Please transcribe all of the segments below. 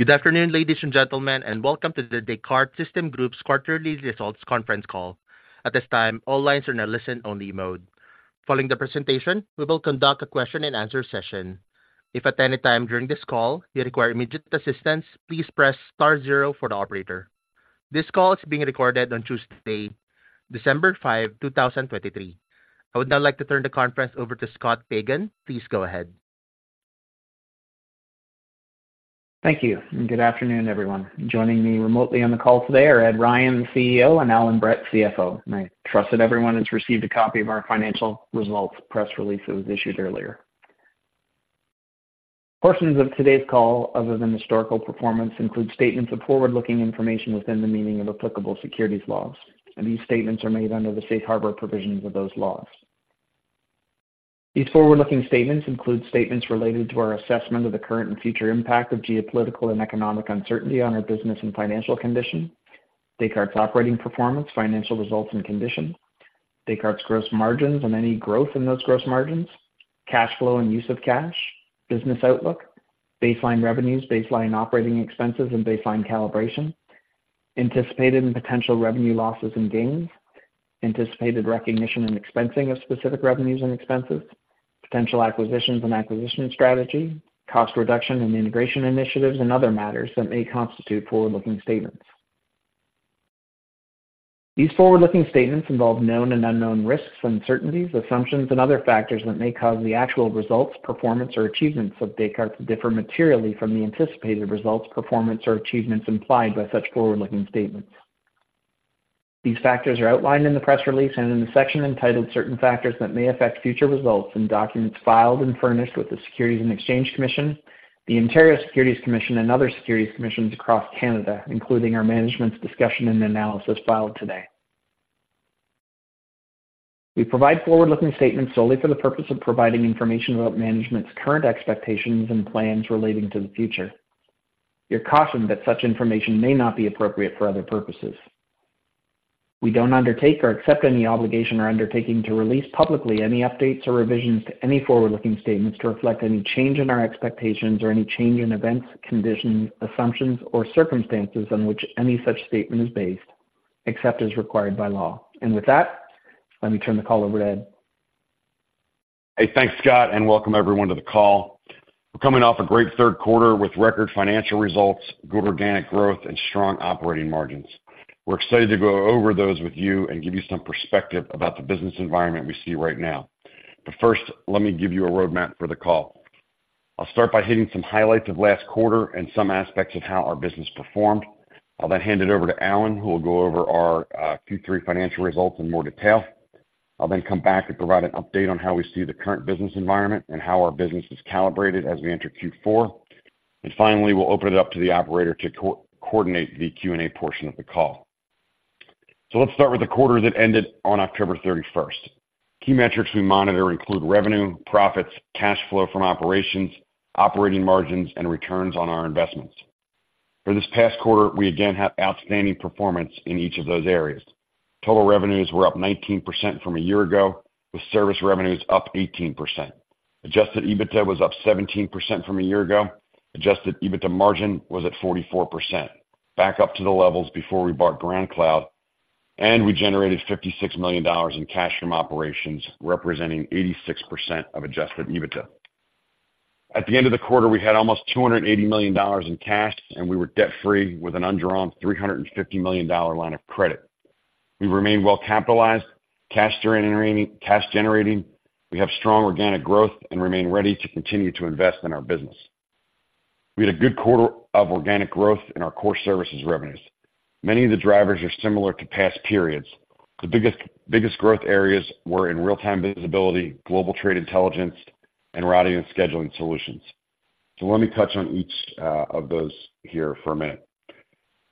Good afternoon, ladies and gentlemen, and welcome to The Descartes Systems Group's quarterly results conference call. At this time, all lines are in a listen-only mode. Following the presentation, we will conduct a question-and-answer session. If at any time during this call you require immediate assistance, please press star zero for the operator. This call is being recorded on Tuesday, December 5, 2023. I would now like to turn the conference over to Scott Pagan. Please go ahead. Thank you, and good afternoon, everyone. Joining me remotely on the call today are Ed Ryan, CEO, and Allan Brett, CFO, and I trust that everyone has received a copy of our financial results press release that was issued earlier. Portions of today's call, other than historical performance, include statements of forward-looking information within the meaning of applicable securities laws, and these statements are made under the safe harbor provisions of those laws. These forward-looking statements include statements related to our assessment of the current and future impact of geopolitical and economic uncertainty on our business and financial condition, Descartes' operating performance, financial results and condition, Descartes' gross margins and any growth in those gross margins, cash flow and use of cash, business outlook, baseline revenues, baseline operating expenses and baseline calibration, anticipated and potential revenue losses and gains, anticipated recognition and expensing of specific revenues and expenses, potential acquisitions and acquisition strategy, cost reduction and integration initiatives, and other matters that may constitute forward-looking statements. These forward-looking statements involve known and unknown risks, uncertainties, assumptions, and other factors that may cause the actual results, performance, or achievements of Descartes to differ materially from the anticipated results, performance, or achievements implied by such forward-looking statements. These factors are outlined in the press release and in the section entitled Certain Factors That May Affect Future Results in documents filed and furnished with the Securities and Exchange Commission, the Ontario Securities Commission, and other securities commissions across Canada, including our management's discussion and analysis filed today. We provide forward-looking statements solely for the purpose of providing information about management's current expectations and plans relating to the future. You're cautioned that such information may not be appropriate for other purposes. We don't undertake or accept any obligation or undertaking to release publicly any updates or revisions to any forward-looking statements to reflect any change in our expectations or any change in events, conditions, assumptions, or circumstances on which any such statement is based, except as required by law. With that, let me turn the call over to Ed. Hey, thanks, Scott, and welcome everyone to the call. We're coming off a great third quarter with record financial results, good organic growth, and strong operating margins. We're excited to go over those with you and give you some perspective about the business environment we see right now. But first, let me give you a roadmap for the call. I'll start by hitting some highlights of last quarter and some aspects of how our business performed. I'll then hand it over to Allan, who will go over our Q3 financial results in more detail. I'll then come back and provide an update on how we see the current business environment and how our business is calibrated as we enter Q4. And finally, we'll open it up to the operator to coordinate the Q&A portion of the call. So let's start with the quarter that ended on October 31st. Key metrics we monitor include revenue, profits, cash flow from operations, operating margins, and returns on our investments. For this past quarter, we again had outstanding performance in each of those areas. Total revenues were up 19% from a year ago, with service revenues up 18%. Adjusted EBITDA was up 17% from a year ago. Adjusted EBITDA margin was at 44%, back up to the levels before we bought GroundCloud, and we generated $56 million in cash from operations, representing 86% of adjusted EBITDA. At the end of the quarter, we had almost $280 million in cash, and we were debt-free with an undrawn $350 million dollar line of credit. We remained well capitalized, cash generating, cash generating. We have strong organic growth and remain ready to continue to invest in our business. We had a good quarter of organic growth in our core services revenues. Many of the drivers are similar to past periods. The biggest growth areas were in Real-Time Visibility, Global Trade Intelligence, and Routing and Scheduling solutions. So let me touch on each of those here for a minute.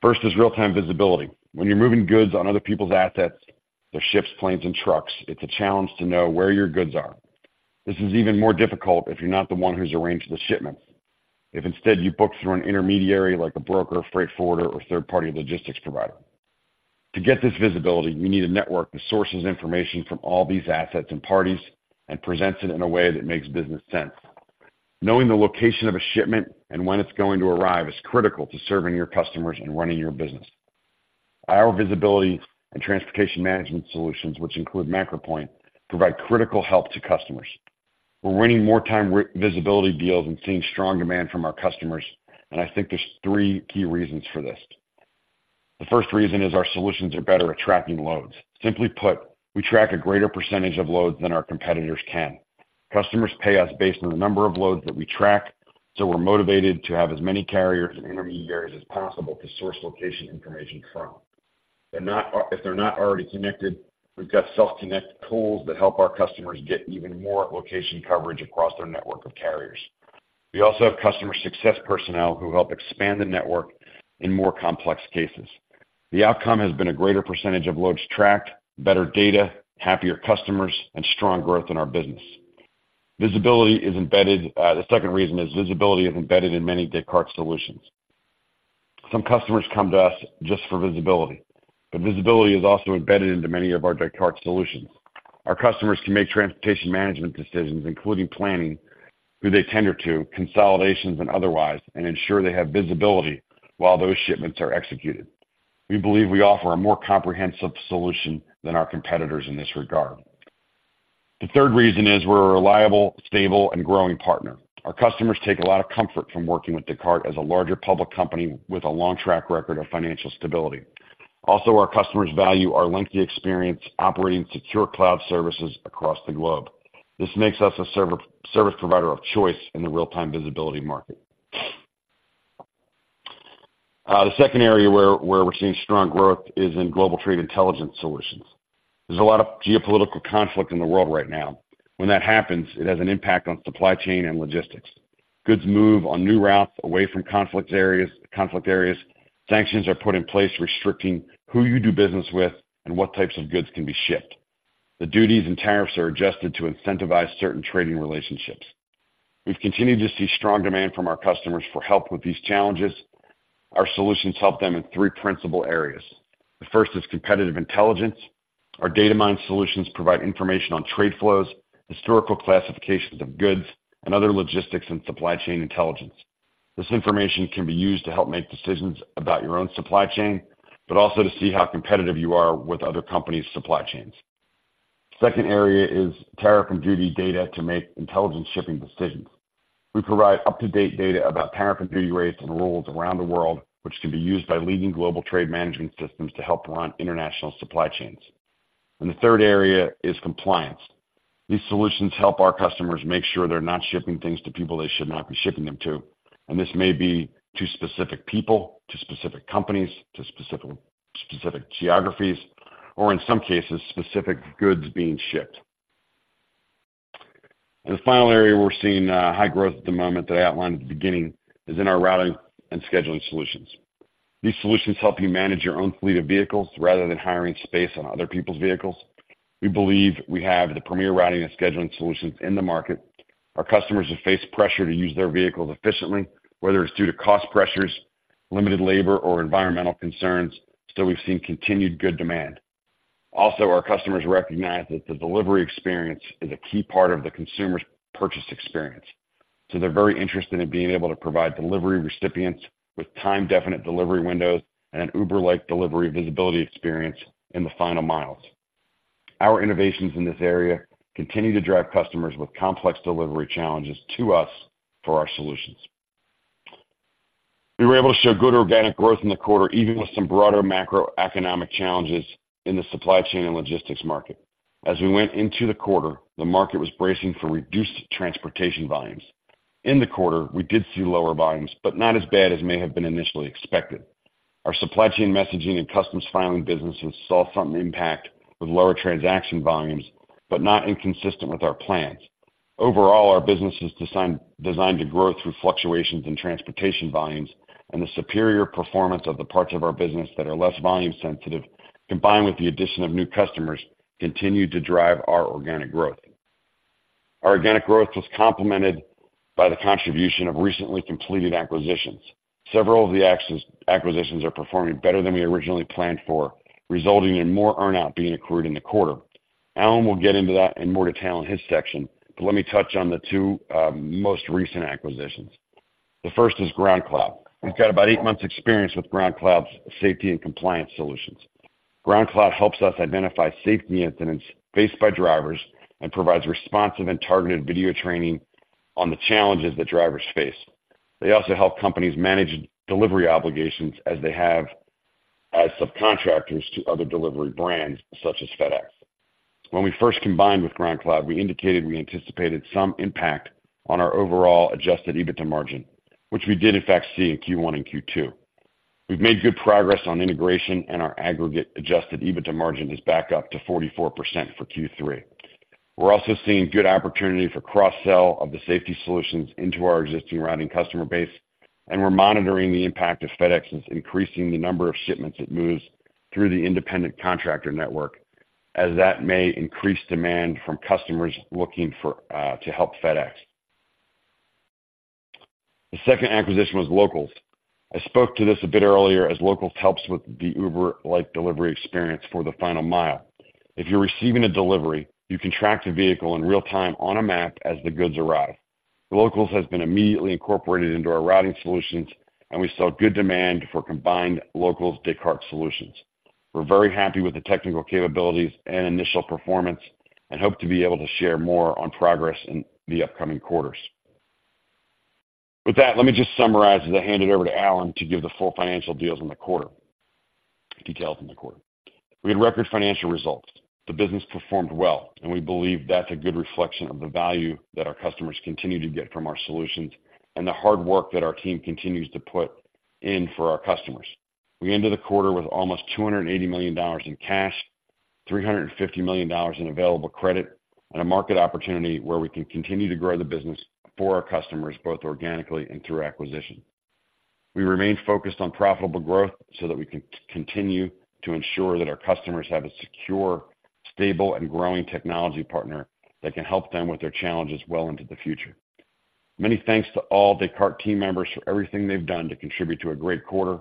First is Real-Time Visibility. When you're moving goods on other people's assets, their ships, planes, and trucks, it's a challenge to know where your goods are. This is even more difficult if you're not the one who's arranged the shipments. If instead, you book through an intermediary, like a broker, freight forwarder, or third-party logistics provider. To get this visibility, we need a network that sources information from all these assets and parties and presents it in a way that makes business sense. Knowing the location of a shipment and when it's going to arrive is critical to serving your customers and running your business. Our visibility and transportation management solutions, which include MacroPoint, provide critical help to customers. We're winning more real-time visibility deals and seeing strong demand from our customers, and I think there's three key reasons for this. The first reason is our solutions are better at tracking loads. Simply put, we track a greater percentage of loads than our competitors can. Customers pay us based on the number of loads that we track, so we're motivated to have as many carriers and intermediaries as possible to source location information from. If they're not already connected, we've got self-connect tools that help our customers get even more location coverage across their network of carriers. We also have customer success personnel who help expand the network in more complex cases. The outcome has been a greater percentage of loads tracked, better data, happier customers, and strong growth in our business. Visibility is embedded. The second reason is visibility is embedded in many Descartes solutions. Some customers come to us just for visibility, but visibility is also embedded into many of our Descartes solutions. Our customers can make transportation management decisions, including planning, who they tender to, consolidations and otherwise, and ensure they have visibility while those shipments are executed. We believe we offer a more comprehensive solution than our competitors in this regard. The third reason is we're a reliable, stable, and growing partner. Our customers take a lot of comfort from working with Descartes as a larger public company with a long track record of financial stability. Also, our customers value our lengthy experience operating secure cloud services across the globe. This makes us a service provider of choice in the real-time visibility market. The second area where we're seeing strong growth is in Global Trade Intelligence solutions. There's a lot of geopolitical conflict in the world right now. When that happens, it has an impact on supply chain and logistics. Goods move on new routes away from conflict areas. Sanctions are put in place, restricting who you do business with and what types of goods can be shipped. The duties and tariffs are adjusted to incentivize certain trading relationships. We've continued to see strong demand from our customers for help with these challenges. Our solutions help them in three principal areas. The first is competitive intelligence. Our Datamine solutions provide information on trade flows, historical classifications of goods, and other logistics and supply chain intelligence. This information can be used to help make decisions about your own supply chain, but also to see how competitive you are with other companies' supply chains. Second area is tariff and duty data to make intelligent shipping decisions. We provide up-to-date data about tariff and duty rates and rules around the world, which can be used by leading global trade management systems to help run international supply chains. The third area is compliance. These solutions help our customers make sure they're not shipping things to people they should not be shipping them to. This may be to specific people, to specific companies, to specific, specific geographies, or in some cases, specific goods being shipped. The final area we're seeing high growth at the moment that I outlined at the beginning is in our routing and scheduling solutions. These solutions help you manage your own fleet of vehicles rather than hiring space on other people's vehicles. We believe we have the premier routing and scheduling solutions in the market. Our customers have faced pressure to use their vehicles efficiently, whether it's due to cost pressures, limited labor, or environmental concerns, so we've seen continued good demand. Also, our customers recognize that the delivery experience is a key part of the consumer's purchase experience, so they're very interested in being able to provide delivery recipients with time-definite delivery windows and an Uber-like delivery visibility experience in the final miles. Our innovations in this area continue to drive customers with complex delivery challenges to us for our solutions. We were able to show good organic growth in the quarter, even with some broader macroeconomic challenges in the supply chain and logistics market. As we went into the quarter, the market was bracing for reduced transportation volumes. In the quarter, we did see lower volumes, but not as bad as may have been initially expected. Our supply chain messaging and customs filing businesses saw some impact with lower transaction volumes, but not inconsistent with our plans. Overall, our business is designed to grow through fluctuations in transportation volumes, and the superior performance of the parts of our business that are less volume sensitive, combined with the addition of new customers, continued to drive our organic growth. Our organic growth was complemented by the contribution of recently completed acquisitions. Several of the acquisitions are performing better than we originally planned for, resulting in more earn-out being accrued in the quarter. Allan will get into that in more detail in his section, but let me touch on the two most recent acquisitions. The first is GroundCloud. We've got about eight months experience with GroundCloud's safety and compliance solutions. GroundCloud helps us identify safety incidents faced by drivers and provides responsive and targeted video training on the challenges that drivers face. They also help companies manage delivery obligations as they have as subcontractors to other delivery brands, such as FedEx. When we first combined with GroundCloud, we indicated we anticipated some impact on our overall adjusted EBITDA margin, which we did in fact see in Q1 and Q2. We've made good progress on integration, and our aggregate adjusted EBITDA margin is back up to 44% for Q3. We're also seeing good opportunity for cross-sell of the safety solutions into our existing routing customer base, and we're monitoring the impact of FedEx's increasing the number of shipments it moves through the independent contractor network, as that may increase demand from customers looking for to help FedEx. The second acquisition was Localz. I spoke to this a bit earlier, as Localz helps with the Uber-like delivery experience for the final mile. If you're receiving a delivery, you can track the vehicle in real time on a map as the goods arrive. Localz has been immediately incorporated into our routing solutions, and we saw good demand for combined Localz Descartes solutions. We're very happy with the technical capabilities and initial performance and hope to be able to share more on progress in the upcoming quarters. With that, let me just summarize as I hand it over to Allan to give the full financial details in the quarter. We had record financial results. The business performed well, and we believe that's a good reflection of the value that our customers continue to get from our solutions and the hard work that our team continues to put in for our customers. We ended the quarter with almost $280 million in cash, $350 million in available credit, and a market opportunity where we can continue to grow the business for our customers, both organically and through acquisition. We remain focused on profitable growth so that we can continue to ensure that our customers have a secure, stable and growing technology partner that can help them with their challenges well into the future. Many thanks to all Descartes team members for everything they've done to contribute to a great quarter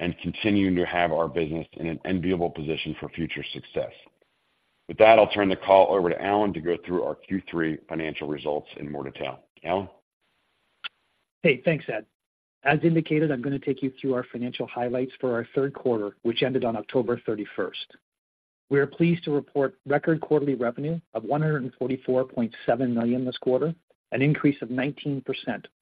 and continuing to have our business in an enviable position for future success. With that, I'll turn the call over to Allan to go through our Q3 financial results in more detail. Allan? Hey, thanks, Ed. As indicated, I'm going to take you through our financial highlights for our third quarter, which ended on October 31st. We are pleased to report record quarterly revenue of $144.7 million this quarter, an increase of 19%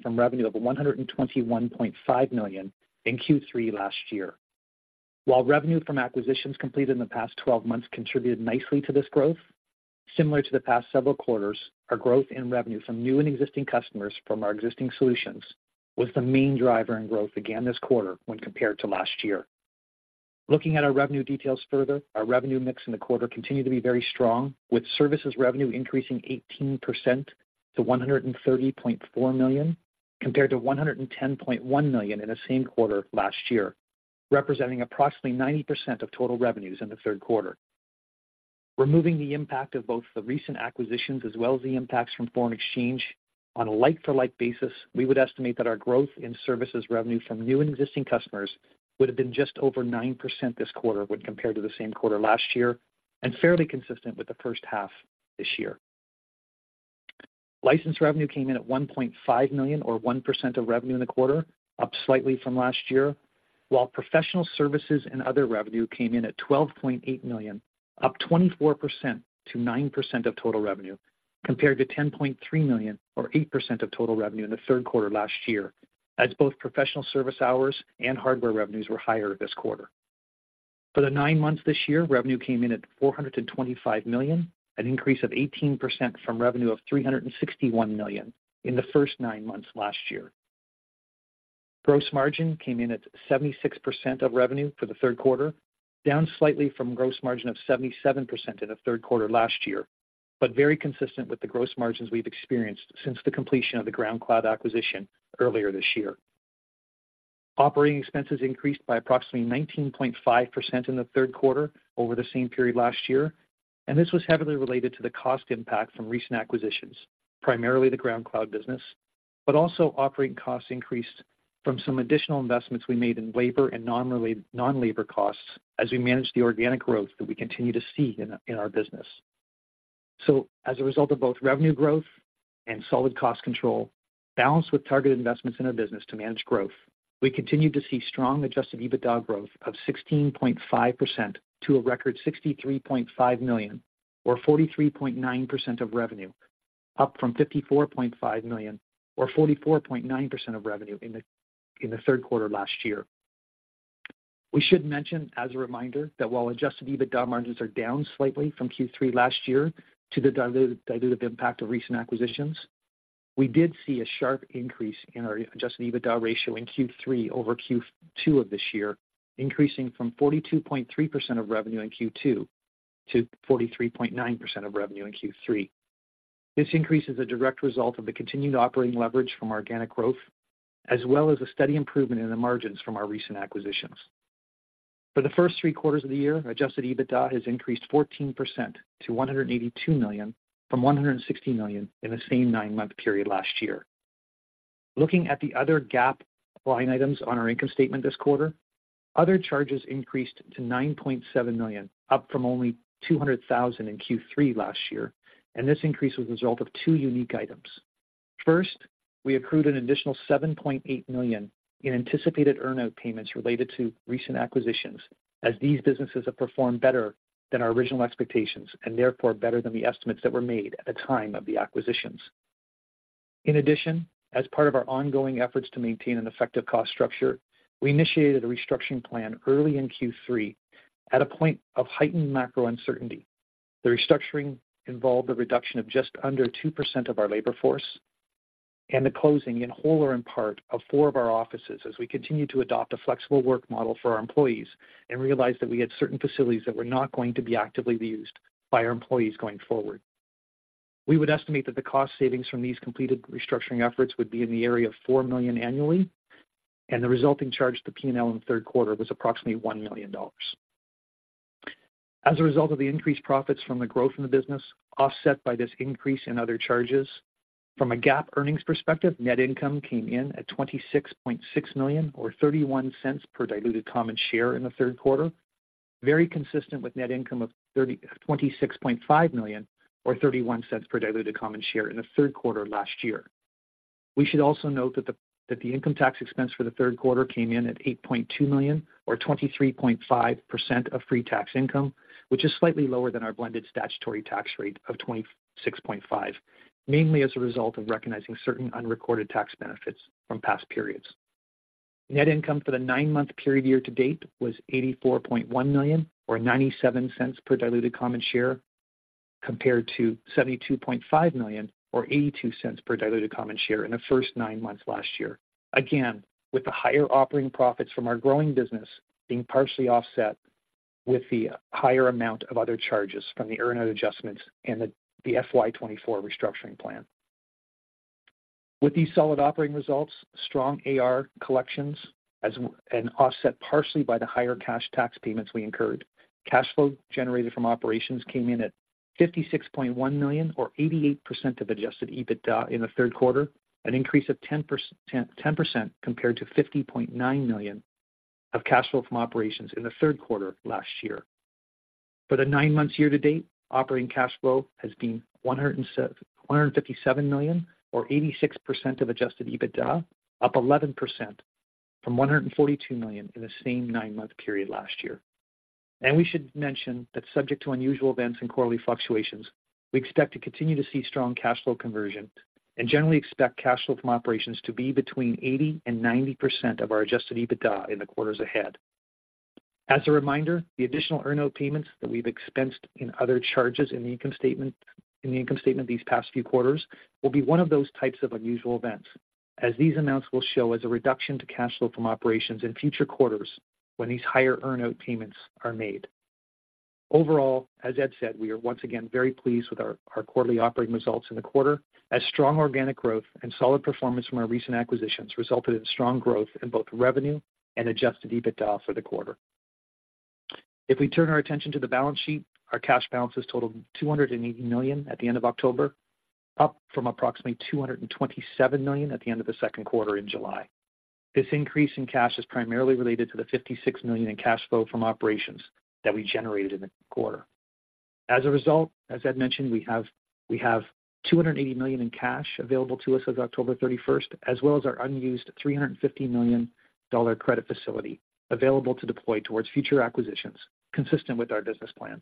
from revenue of $121.5 million in Q3 last year. While revenue from acquisitions completed in the past 12 months contributed nicely to this growth, similar to the past several quarters, our growth in revenue from new and existing customers from our existing solutions was the main driver in growth again this quarter when compared to last year. Looking at our revenue details further, our revenue mix in the quarter continued to be very strong, with services revenue increasing 18% to $130.4 million, compared to $110.1 million in the same quarter last year, representing approximately 90% of total revenues in the third quarter. Removing the impact of both the recent acquisitions as well as the impacts from foreign exchange, on a like-for-like basis, we would estimate that our growth in services revenue from new and existing customers would have been just over 9% this quarter when compared to the same quarter last year, and fairly consistent with the first half this year. License revenue came in at $1.5 million, or 1% of revenue in the quarter, up slightly from last year, while professional services and other revenue came in at $12.8 million, up 24% to 9% of total revenue, compared to $10.3 million, or 8% of total revenue in the third quarter last year, as both professional service hours and hardware revenues were higher this quarter. For the nine months this year, revenue came in at $425 million, an increase of 18% from revenue of $361 million in the first nine months last year. Gross margin came in at 76% of revenue for the third quarter, down slightly from gross margin of 77% in the third quarter last year, but very consistent with the gross margins we've experienced since the completion of the GroundCloud acquisition earlier this year. Operating expenses increased by approximately 19.5% in the third quarter over the same period last year, and this was heavily related to the cost impact from recent acquisitions, primarily the GroundCloud business, but also operating costs increased from some additional investments we made in labor and non-labor costs as we manage the organic growth that we continue to see in our business. So as a result of both revenue growth and solid cost control, balanced with targeted investments in our business to manage growth, we continued to see strong Adjusted EBITDA growth of 16.5% to a record $63.5 million, or 43.9% of revenue, up from $54.5 million, or 44.9% of revenue in the third quarter last year. We should mention, as a reminder, that while Adjusted EBITDA margins are down slightly from Q3 last year due to the dilutive impact of recent acquisitions, we did see a sharp increase in our Adjusted EBITDA ratio in Q3 over Q2 of this year, increasing from 42.3% of revenue in Q2 to 43.9% of revenue in Q3. This increase is a direct result of the continued operating leverage from organic growth, as well as a steady improvement in the margins from our recent acquisitions. For the first three quarters of the year, Adjusted EBITDA has increased 14% to $182 million from $160 million in the same nine-month period last year. Looking at the other GAAP line items on our income statement this quarter, other charges increased to $9.7 million, up from only $200,000 in Q3 last year, and this increase was a result of two unique items. First, we accrued an additional $7.8 million in anticipated earn out payments related to recent acquisitions, as these businesses have performed better than our original expectations and therefore better than the estimates that were made at the time of the acquisitions. In addition, as part of our ongoing efforts to maintain an effective cost structure, we initiated a restructuring plan early in Q3 at a point of heightened macro uncertainty. The restructuring involved a reduction of just under 2% of our labor force and the closing, in whole or in part, of 4 of our offices as we continued to adopt a flexible work model for our employees and realized that we had certain facilities that were not going to be actively used by our employees going forward. We would estimate that the cost savings from these completed restructuring efforts would be in the area of $4 million annually, and the resulting charge to P&L in the third quarter was approximately $1 million. As a result of the increased profits from the growth in the business, offset by this increase in other charges, from a GAAP earnings perspective, net income came in at $26.6 million, or $0.31 per diluted common share in the third quarter, very consistent with net income of twenty-six point five million or $0.31 per diluted common share in the third quarter last year. We should also note that that the income tax expense for the third quarter came in at $8.2 million, or 23.5% of pre-tax income, which is slightly lower than our blended statutory tax rate of 26.5, mainly as a result of recognizing certain unrecorded tax benefits from past periods. Net income for the nine-month period year to date was $84.1 million, or $0.97 per diluted common share, compared to $72.5 million or $0.82 per diluted common share in the first nine months last year. Again, with the higher operating profits from our growing business being partially offset with the higher amount of other charges from the earn out adjustments and the FY 2024 restructuring plan. With these solid operating results, strong AR collections, and offset partially by the higher cash tax payments we incurred. Cash flow generated from operations came in at $56.1 million, or 88% of adjusted EBITDA in the third quarter, an increase of 10% compared to $50.9 million of cash flow from operations in the third quarter last year. For the nine months year-to-date, operating cash flow has been $157 million, or 86% of adjusted EBITDA, up 11% from $142 million in the same nine-month period last year. And we should mention that subject to unusual events and quarterly fluctuations, we expect to continue to see strong cash flow conversion and generally expect cash flow from operations to be between 80% and 90% of our adjusted EBITDA in the quarters ahead. As a reminder, the additional earn-out payments that we've expensed in other charges in the income statement, in the income statement these past few quarters, will be one of those types of unusual events, as these amounts will show as a reduction to cash flow from operations in future quarters when these higher earn-out payments are made. Overall, as Ed said, we are once again very pleased with our quarterly operating results in the quarter, as strong organic growth and solid performance from our recent acquisitions resulted in strong growth in both revenue and Adjusted EBITDA for the quarter. If we turn our attention to the balance sheet, our cash balances totaled $280 million at the end of October, up from approximately $227 million at the end of the second quarter in July. This increase in cash is primarily related to the $56 million in cash flow from operations that we generated in the quarter. As a result, as Ed mentioned, we have, we have $280 million in cash available to us as of October 31st, as well as our unused $350 million credit facility available to deploy towards future acquisitions, consistent with our business plan.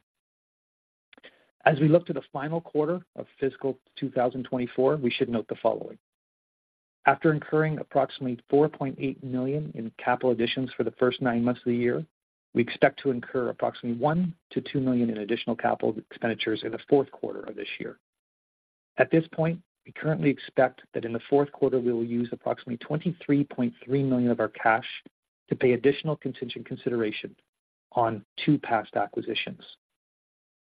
As we look to the final quarter of fiscal 2024, we should note the following: After incurring approximately $4.8 million in capital additions for the first nine months of the year, we expect to incur approximately $1 million-$2 million in additional capital expenditures in the fourth quarter of this year. At this point, we currently expect that in the fourth quarter, we will use approximately $23.3 million of our cash to pay additional contingent consideration on two past acquisitions.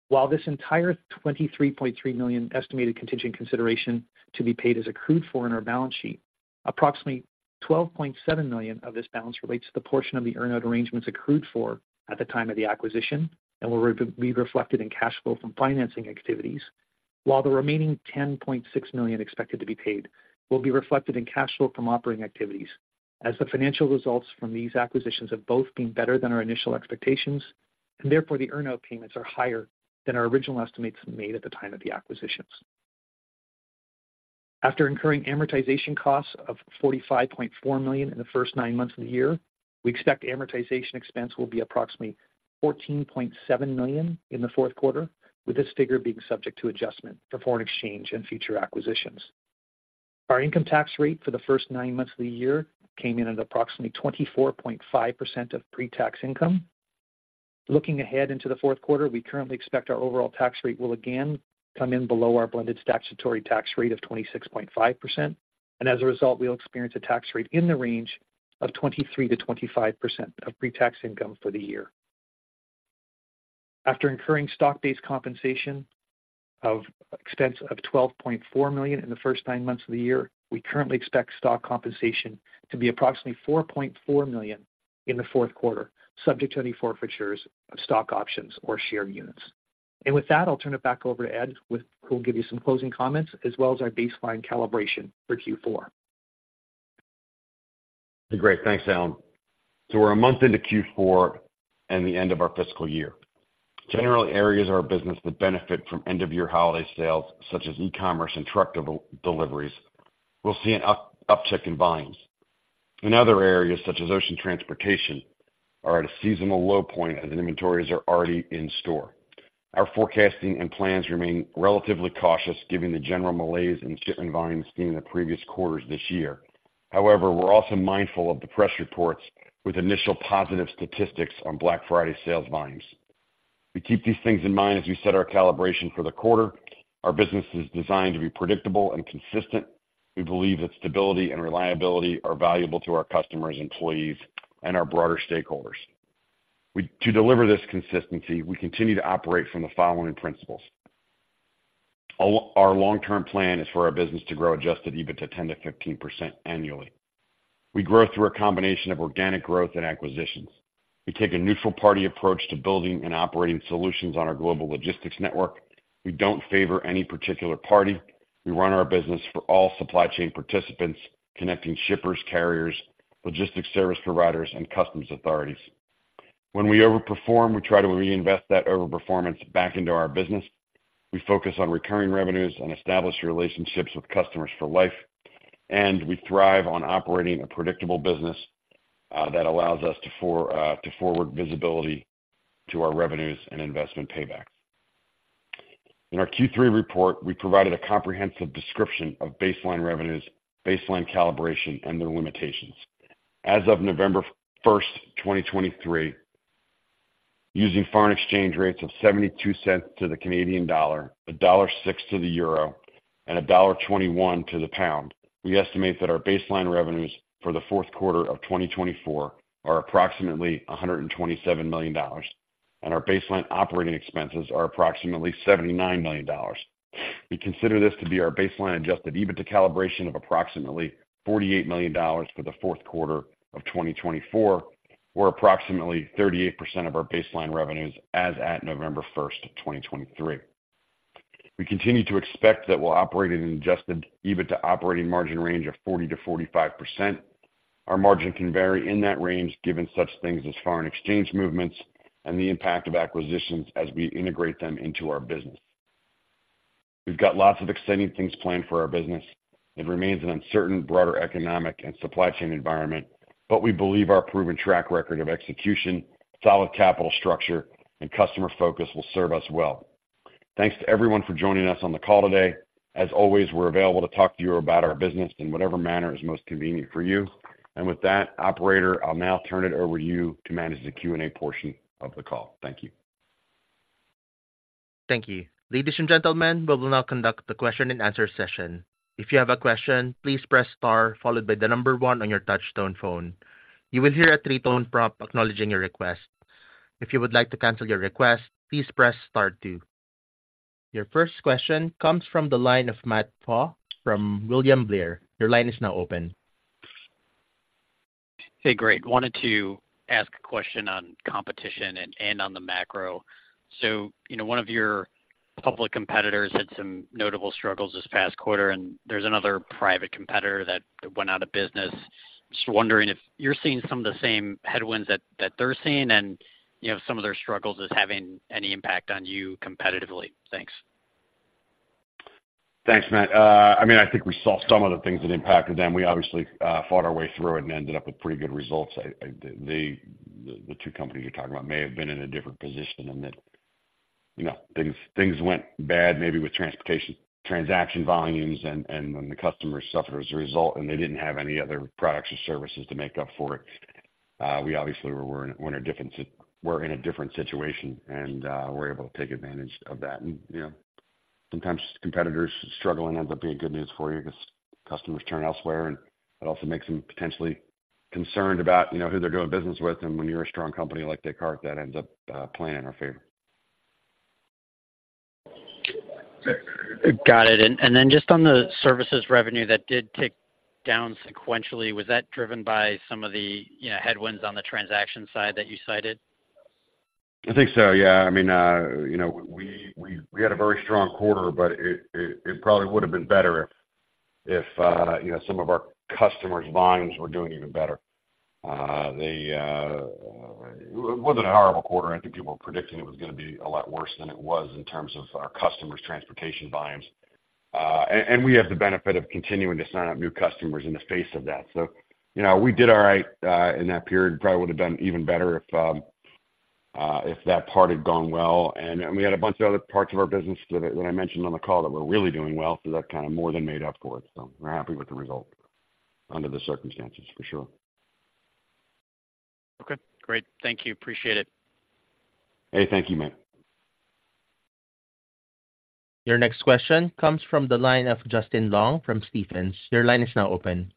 While this entire $23.3 million estimated contingent consideration to be paid is accrued for in our balance sheet, approximately $12.7 million of this balance relates to the portion of the earn-out arrangements accrued for at the time of the acquisition, and will be reflected in cash flow from financing activities. While the remaining $10.6 million expected to be paid will be reflected in cash flow from operating activities, as the financial results from these acquisitions have both been better than our initial expectations, and therefore the earn-out payments are higher than our original estimates made at the time of the acquisitions. After incurring amortization costs of $45.4 million in the first nine months of the year, we expect amortization expense will be approximately $14.7 million in the fourth quarter, with this figure being subject to adjustment for foreign exchange and future acquisitions. Our income tax rate for the first nine months of the year came in at approximately 24.5% of pre-tax income. Looking ahead into the fourth quarter, we currently expect our overall tax rate will again come in below our blended statutory tax rate of 26.5%, and as a result, we'll experience a tax rate in the range of 23%-25% of pre-tax income for the year. After incurring stock-based compensation of expense of $12.4 million in the first nine months of the year, we currently expect stock compensation to be approximately $4.4 million in the fourth quarter, subject to any forfeitures of stock options or share units. With that, I'll turn it back over to Ed, who will give you some closing comments, as well as our baseline calibration for Q4. Great. Thanks, Allan. So we're a month into Q4 and the end of our fiscal year. General areas of our business that benefit from end-of-year holiday sales, such as e-commerce and truck deliveries, will see an uptick in volumes. In other areas, such as ocean transportation, are at a seasonal low point as inventories are already in store. Our forecasting and plans remain relatively cautious, given the general malaise in shipment volumes seen in the previous quarters this year. However, we're also mindful of the press reports with initial positive statistics on Black Friday sales volumes. We keep these things in mind as we set our calibration for the quarter. Our business is designed to be predictable and consistent. We believe that stability and reliability are valuable to our customers, employees, and our broader stakeholders. To deliver this consistency, we continue to operate from the following principles. Our long-term plan is for our business to grow Adjusted EBITDA 10%-15% annually. We grow through a combination of organic growth and acquisitions. We take a neutral party approach to building and operating solutions on our Global Logistics Network. We don't favor any particular party. We run our business for all supply chain participants, connecting shippers, carriers, logistics service providers, and customs authorities. When we overperform, we try to reinvest that overperformance back into our business. We focus on recurring revenues and establish relationships with customers for life, and we thrive on operating a predictable business that allows us to forward visibility to our revenues and investment paybacks. In our Q3 report, we provided a comprehensive description of baseline revenues, baseline calibration, and their limitations. As of November 1, 2023, using foreign exchange rates of $0.72 to the Canadian dollar, $1.06 to the euro, and $1.21 to the pound, we estimate that our baseline revenues for the fourth quarter of 2024 are approximately $127 million, and our baseline operating expenses are approximately $79 million. We consider this to be our baseline Adjusted EBITDA calibration of approximately $48 million for the fourth quarter of 2024, or approximately 38% of our baseline revenues as at November 1, 2023. We continue to expect that we'll operate in an Adjusted EBITDA operating margin range of 40%-45%. Our margin can vary in that range, given such things as foreign exchange movements and the impact of acquisitions as we integrate them into our business. We've got lots of exciting things planned for our business. It remains an uncertain, broader economic and supply chain environment, but we believe our proven track record of execution, solid capital structure, and customer focus will serve us well. Thanks to everyone for joining us on the call today. As always, we're available to talk to you about our business in whatever manner is most convenient for you. And with that, operator, I'll now turn it over to you to manage the Q&A portion of the call. Thank you. Thank you. Ladies and gentlemen, we will now conduct the question-and-answer session. If you have a question, please press star followed by the number one on your touchtone phone. You will hear a three-tone prompt acknowledging your request. If you would like to cancel your request, please press star two. Your first question comes from the line of Matt Pfau from William Blair. Your line is now open. Hey, great. Wanted to ask a question on competition and on the macro. So, you know, one of your public competitors had some notable struggles this past quarter, and there's another private competitor that went out of business. Just wondering if you're seeing some of the same headwinds that they're seeing and, you know, some of their struggles as having any impact on you competitively? Thanks. Thanks, Matt. I mean, I think we saw some of the things that impacted them. We obviously fought our way through it and ended up with pretty good results. The two companies you're talking about may have been in a different position than that. You know, things went bad, maybe with transportation transaction volumes, and when the customer suffered as a result, and they didn't have any other products or services to make up for it. We're in a different situation, and we're able to take advantage of that. You know, sometimes competitors struggling ends up being good news for you because customers turn elsewhere, and it also makes them potentially concerned about, you know, who they're doing business with. When you're a strong company like Descartes, that ends up playing in our favor. Got it. And then just on the services revenue that did tick down sequentially, was that driven by some of the, you know, headwinds on the transaction side that you cited? I think so, yeah. I mean, you know, we had a very strong quarter, but it probably would have been better if, you know, some of our customers' volumes were doing even better. It wasn't a horrible quarter. I think people were predicting it was gonna be a lot worse than it was in terms of our customers' transportation volumes. And we have the benefit of continuing to sign up new customers in the face of that. So, you know, we did all right, in that period. Probably would have been even better if that part had gone well. And we had a bunch of other parts of our business that I mentioned on the call that were really doing well, so that kind of more than made up for it. We're happy with the result under the circumstances, for sure. Okay, great. Thank you. Appreciate it. Hey, thank you, Matt. Your next question comes from the line of Justin Long from Stephens. Your line is now open.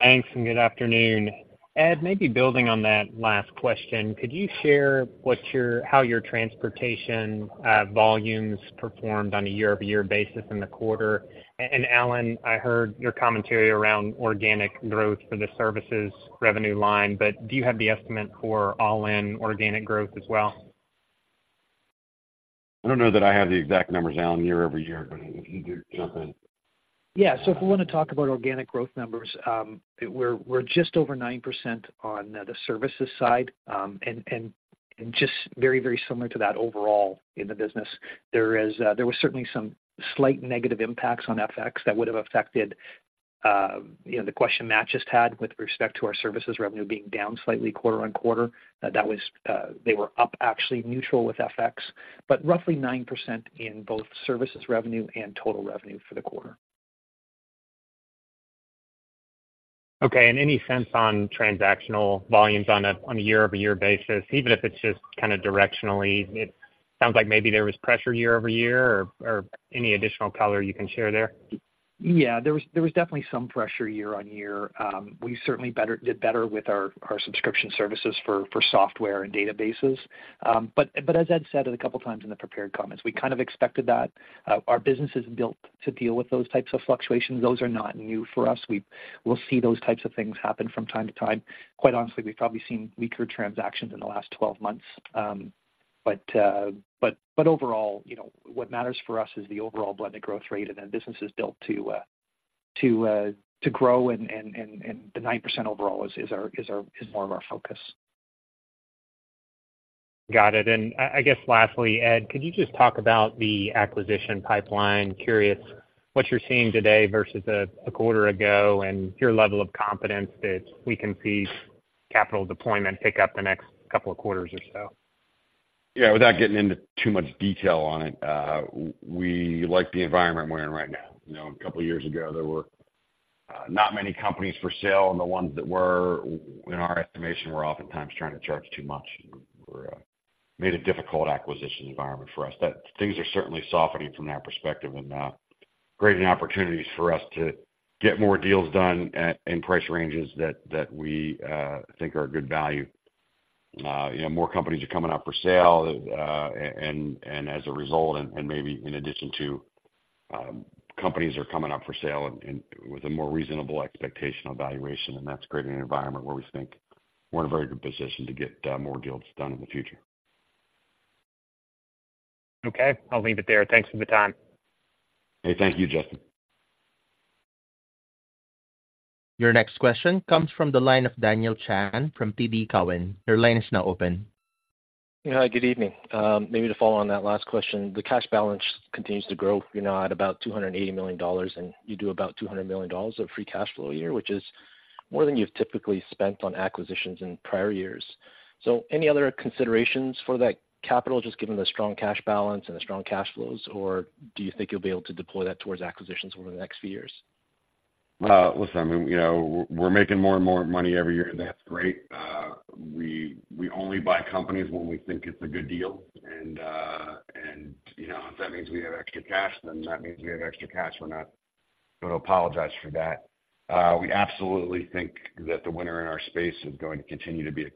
Thanks, and good afternoon. Ed, maybe building on that last question, could you share what your, how your transportation volumes performed on a year-over-year basis in the quarter? And, Allan, I heard your commentary around organic growth for the services revenue line, but do you have the estimate for all-in organic growth as well? I don't know that I have the exact numbers, Allan, year-over-year, but you jump in. Yeah. So if we want to talk about organic growth numbers, we're just over 9% on the services side, and just very, very similar to that overall in the business. There was certainly some slight negative impacts on FX that would have affected, you know, the question Matt just had with respect to our services revenue being down slightly quarter-on-quarter. That was, they were up actually neutral with FX, but roughly 9% in both services revenue and total revenue for the quarter. Okay. Any sense on transactional volumes on a year-over-year basis, even if it's just kind of directionally? It sounds like maybe there was pressure year-over-year or any additional color you can share there. Yeah, there was definitely some pressure year-over-year. We certainly did better with our subscription services for software and databases. But as Ed said it a couple of times in the prepared comments, we kind of expected that. Our business is built to deal with those types of fluctuations. Those are not new for us. We'll see those types of things happen from time to time. Quite honestly, we've probably seen weaker transactions in the last 12 months. But overall, you know, what matters for us is the overall blended growth rate, and the business is built to grow, and the 9% overall is more of our focus. Got it. I guess lastly, Ed, could you just talk about the acquisition pipeline? Curious what you're seeing today versus a quarter ago and your level of confidence that we can see capital deployment pick up the next couple of quarters or so. Yeah. Without getting into too much detail on it, we like the environment we're in right now. You know, a couple of years ago, there were not many companies for sale, and the ones that were, in our estimation, were oftentimes trying to charge too much, made a difficult acquisition environment for us. But things are certainly softening from that perspective and creating opportunities for us to get more deals done at price ranges that we think are good value. You know, more companies are coming up for sale, and as a result, maybe in addition to, companies are coming up for sale and with a more reasonable expectation on valuation, and that's creating an environment where we think we're in a very good position to get more deals done in the future. Okay. I'll leave it there. Thanks for the time. Hey, thank you, Justin. Your next question comes from the line of Daniel Chan from TD Cowen. Your line is now open. Yeah. Good evening. Maybe to follow on that last question, the cash balance continues to grow. You're now at about $280 million, and you do about $200 million of free cash flow a year, which is more than you've typically spent on acquisitions in prior years. So any other considerations for that capital, just given the strong cash balance and the strong cash flows? Or do you think you'll be able to deploy that towards acquisitions over the next few years? Listen, you know, we're making more and more money every year, and that's great. We only buy companies when we think it's a good deal, and, you know, if that means we have extra cash, then that means we have extra cash. We're not going to apologize for that. We absolutely think that the winner in our space is going to continue to be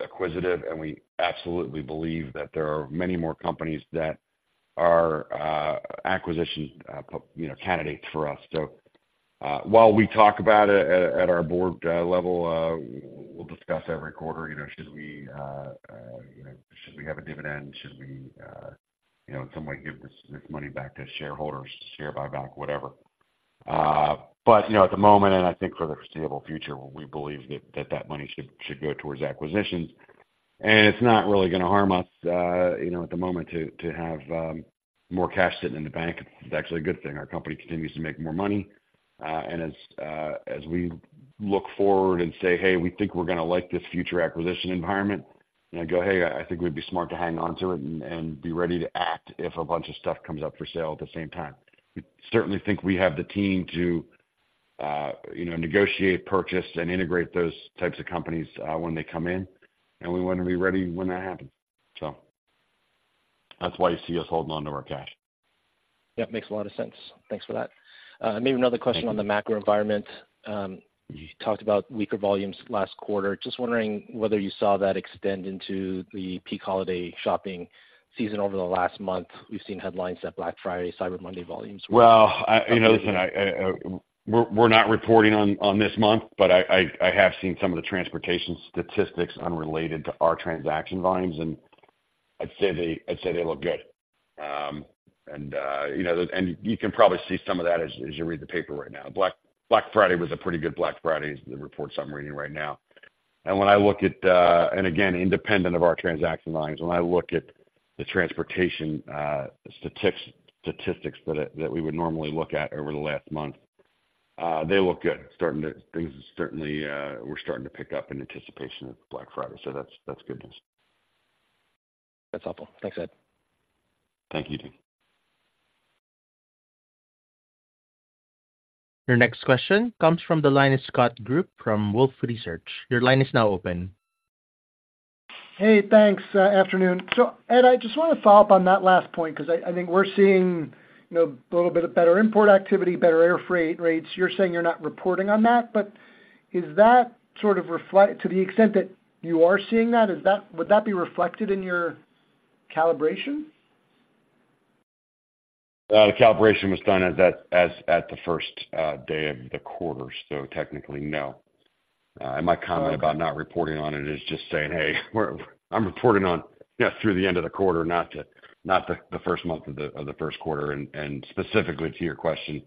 acquisitive, and we absolutely believe that there are many more companies that are acquisition, you know, candidates for us. So, while we talk about it at our board level, we'll discuss every quarter, you know, should we have a dividend? Should we, you know, in some way give this money back to shareholders, share buyback, whatever. But, you know, at the moment, and I think for the foreseeable future, we believe that money should go towards acquisitions. It's not really going to harm us, you know, at the moment, to have more cash sitting in the bank. It's actually a good thing. Our company continues to make more money, and as we look forward and say, "Hey, we think we're going to like this future acquisition environment," and I go, "Hey, I think we'd be smart to hang on to it and be ready to act if a bunch of stuff comes up for sale at the same time." We certainly think we have the team to, you know, negotiate, purchase, and integrate those types of companies, when they come in, and we want to be ready when that happens. That's why you see us holding on to our cash. Yeah, makes a lot of sense. Thanks for that. Maybe another question- Thank you. - on the macro environment. You talked about weaker volumes last quarter. Just wondering whether you saw that extend into the peak holiday shopping season over the last month. We've seen headlines that Black Friday, Cyber Monday volumes- Well, I, you know, listen, I, we're not reporting on this month, but I have seen some of the transportation statistics unrelated to our transaction volumes, and I'd say they look good. And you know, and you can probably see some of that as you read the paper right now. Black Friday was a pretty good Black Friday, the reports I'm reading right now. And when I look at, and again, independent of our transaction lines, when I look at the transportation statistics that we would normally look at over the last month, they look good. Starting to, things certainly were starting to pick up in anticipation of Black Friday. So that's good news. That's helpful. Thanks, Ed. Thank you, Dan. Your next question comes from the line of Scott Group from Wolfe Research. Your line is now open. Hey, thanks, afternoon. So Ed, I just want to follow up on that last point because I, I think we're seeing, you know, a little bit of better import activity, better air freight rates. You're saying you're not reporting on that, but is that sort of reflect. To the extent that you are seeing that, is that, would that be reflected in your calibration? The calibration was done at that, as at the first day of the quarter, so technically, no. And my comment about not reporting on it is just saying, hey, we're, I'm reporting on, yes, through the end of the quarter, not the first month of the first quarter. And specifically to your question,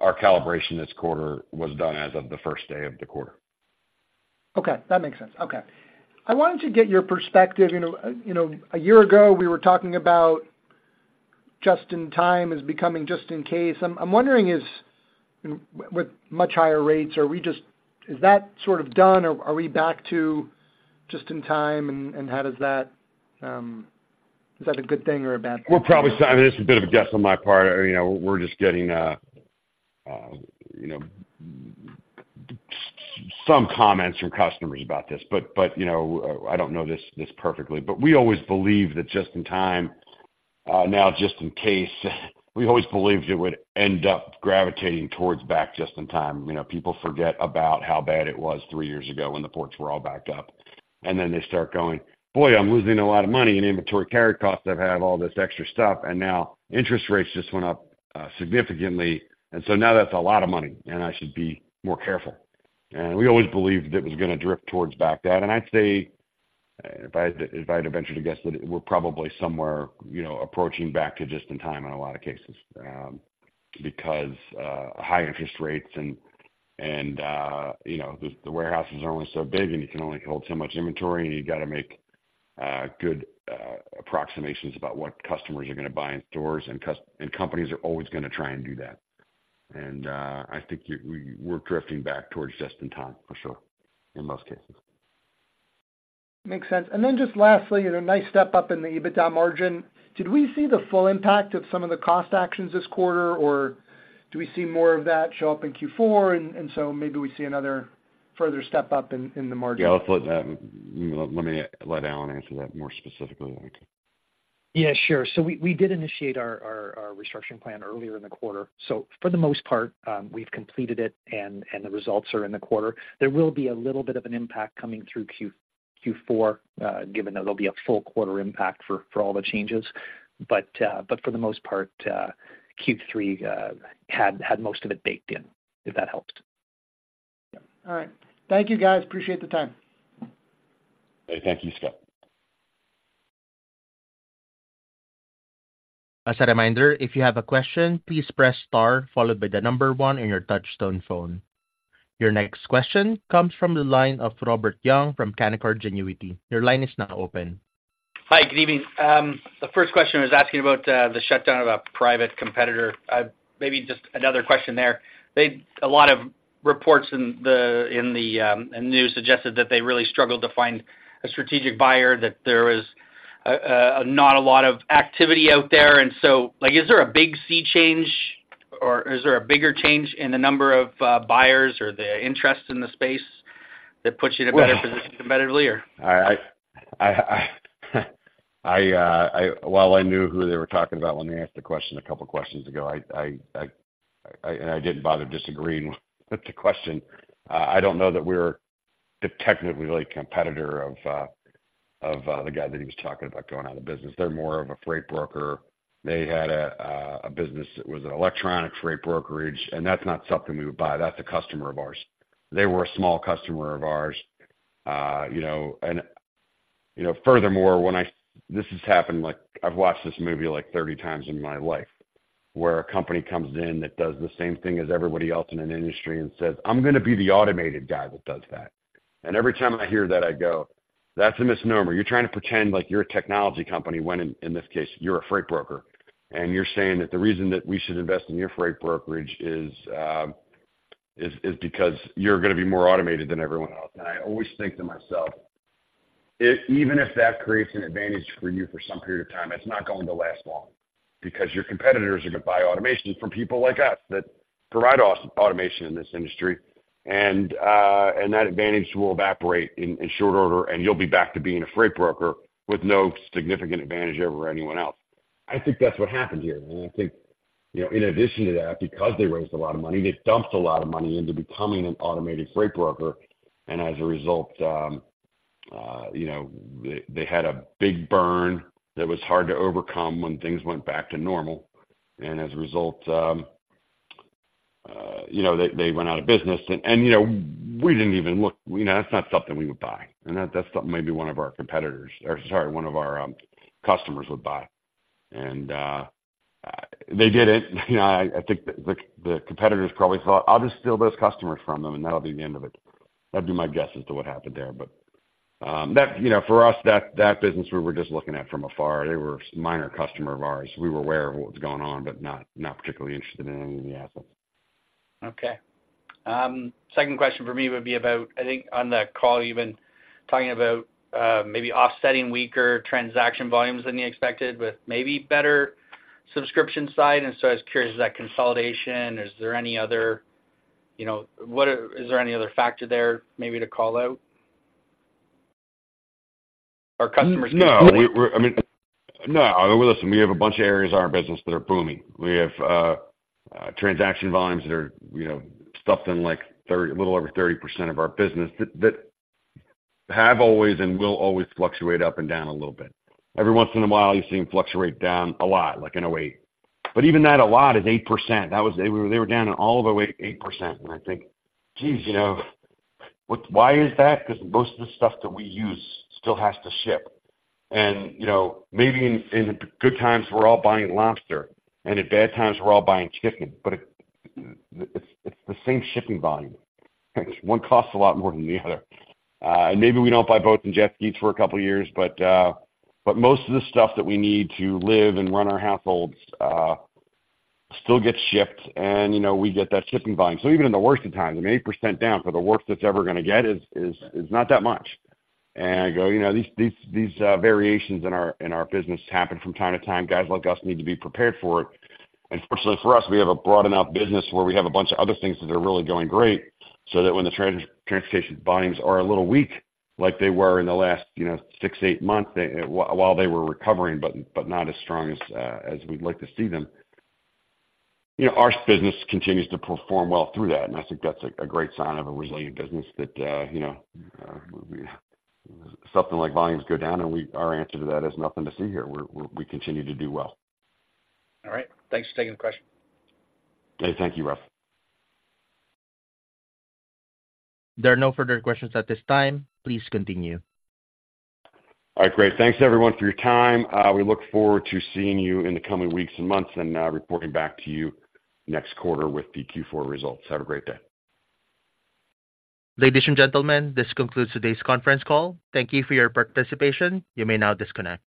our calibration this quarter was done as of the first day of the quarter. Okay, that makes sense. Okay. I wanted to get your perspective. You know, you know, a year ago, we were talking about just-in-time is becoming just-in-case. I'm wondering, is... With much higher rates, are we just-- Is that sort of done, or are we back to just-in-time, and how does that, is that a good thing or a bad thing? We're probably still... I mean, this is a bit of a guess on my part. You know, we're just getting, you know, some comments from customers about this. But, you know, I don't know this perfectly, but we always believe that just-in-time, now, just-in-case, we always believed it would end up gravitating towards back just-in-time. You know, people forget about how bad it was three years ago when the ports were all backed up, and then they start going, "Boy, I'm losing a lot of money in inventory carry costs. I've had all this extra stuff, and now interest rates just went up significantly, and so now that's a lot of money, and I should be more careful." And we always believed it was going to drift towards back then. And I'd say, if I had to venture to guess, that we're probably somewhere, you know, approaching back to just-in-time in a lot of cases, because high interest rates and you know, the warehouse is only so big, and you can only hold so much inventory, and you've got to make good approximations about what customers are going to buy in stores, and customers and companies are always going to try and do that. And I think we're drifting back towards just-in-time for sure, in most cases. Makes sense. And then just lastly, at a nice step up in the EBITDA margin, did we see the full impact of some of the cost actions this quarter, or do we see more of that show up in Q4? And so maybe we see further step up in the margin? Yeah, let's let me let Allan answer that more specifically, I think. Yeah, sure. So we did initiate our restructuring plan earlier in the quarter. So for the most part, we've completed it, and the results are in the quarter. There will be a little bit of an impact coming through Q4, given that there'll be a full quarter impact for all the changes. But for the most part, Q3 had most of it baked in, if that helps. All right. Thank you, guys. Appreciate the time. Thank you, Scott. As a reminder, if you have a question, please press star followed by the number 1 on your touchtone phone. Your next question comes from the line of Robert Young from Canaccord Genuity. Your line is now open. Hi, good evening. The first question was asking about the shutdown of a private competitor. Maybe just another question there. A lot of reports in the news suggested that they really struggled to find a strategic buyer, that there was not a lot of activity out there. And so, like, is there a big sea change, or is there a bigger change in the number of buyers or the interest in the space that puts you in a better position competitively, or? While I knew who they were talking about when they asked the question a couple of questions ago, and I didn't bother disagreeing with the question. I don't know that we're technically a competitor of the guy that he was talking about going out of business. They're more of a freight broker. They had a business that was an electronic freight brokerage, and that's not something we would buy. That's a customer of ours. They were a small customer of ours. You know, and, you know, furthermore, this has happened, like, I've watched this movie, like, 30 times in my life, where a company comes in that does the same thing as everybody else in an industry and says, "I'm going to be the automated guy that does that." And every time I hear that, I go, "That's a misnomer. You're trying to pretend like you're a technology company when in this case, you're a freight broker, and you're saying that the reason that we should invest in your freight brokerage is because you're going to be more automated than everyone else." And I always think to myself, if even if that creates an advantage for you for some period of time, it's not going to last long, because your competitors are going to buy automation from people like us that provide automation in this industry. And that advantage will evaporate in short order, and you'll be back to being a freight broker with no significant advantage over anyone else. I think that's what happened here. And I think, you know, in addition to that, because they raised a lot of money, they dumped a lot of money into becoming an automated freight broker. And as a result, you know, they had a big burn that was hard to overcome when things went back to normal. And as a result, you know, they went out of business. And, you know, we didn't even look, you know, that's not something we would buy, and that's something maybe one of our competitors or, sorry, one of our, customers would buy. And, they did it. You know, I think the, the competitors probably thought, "I'll just steal those customers from them, and that'll be the end of it." That'd be my guess as to what happened there. But, you know, for us, that business, we were just looking at from afar. They were a minor customer of ours. We were aware of what was going on, but not particularly interested in any of the assets. Okay. Second question for me would be about I think on the call, you've been talking about, maybe offsetting weaker transaction volumes than you expected, with maybe better subscription side. And so I was curious, is that consolidation, or is there any other, you know, what are... Is there any other factor there maybe to call out? Our customers- No, we're, I mean, no. Listen, we have a bunch of areas of our business that are booming. We have transaction volumes that are, you know, stuffed in, like, 30, a little over 30% of our business that have always and will always fluctuate up and down a little bit. Every once in a while, you see them fluctuate down a lot, like in a way. But even that a lot is 8%. That was they were down all the way 8%. And I think, geez, you know, what, why is that? Because most of the stuff that we use still has to ship. And, you know, maybe in the good times, we're all buying lobster, and in bad times, we're all buying chicken, but it's the same shipping volume. One costs a lot more than the other. And maybe we don't buy boats and jet skis for a couple of years, but, but most of the stuff that we need to live and run our households still gets shipped, and, you know, we get that shipping volume. So even in the worst of times, I mean, 8% down for the worst that's ever going to get is not that much. And I go, you know, these variations in our, in our business happen from time to time. Guys like us need to be prepared for it. And fortunately for us, we have a broad enough business where we have a bunch of other things that are really going great so that when the transportation volumes are a little weak, like they were in the last, you know, six, eight months, they... While they were recovering, but not as strong as we'd like to see them. You know, our business continues to perform well through that, and I think that's a great sign of a resilient business that, you know, something like volumes go down and we, our answer to that is nothing to see here. We continue to do well. All right. Thanks for taking the question. Hey, thank you, Rob. There are no further questions at this time. Please continue. All right, great. Thanks, everyone, for your time. We look forward to seeing you in the coming weeks and months and, reporting back to you next quarter with the Q4 results. Have a great day. Ladies and gentlemen, this concludes today's conference call. Thank you for your participation. You may now disconnect.